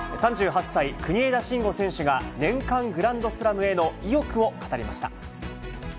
３８歳、国枝慎吾選手が年間グランドスラムへの意欲を語りました。